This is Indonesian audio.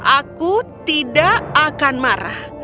aku tidak akan marah